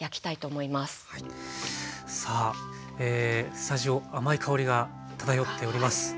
スタジオ甘い香りが漂っております。